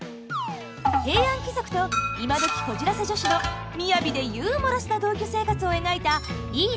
平安貴族と今どきこじらせ女子の雅でユーモラスな同居生活を描いた「いいね！